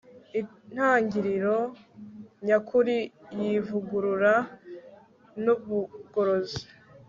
Intangiriro Nyakuri yIvugurura nUbugorozi